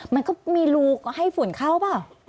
มันก็มีรูให้ฝุ่นเข้าเปล่า